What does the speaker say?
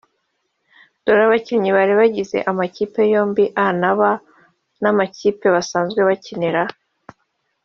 Dore abakinnyi bari bagize amakipe yombi (A na B) n’amakipe basanzwe bakinira